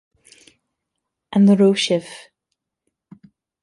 An raibh sibh